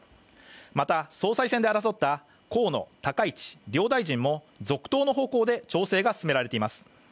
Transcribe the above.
また、総裁選で争った河野・高市両大臣も続投の方向で調整が進められています。